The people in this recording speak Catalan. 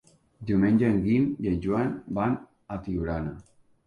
Diumenge en Guim i en Joan van a Tiurana.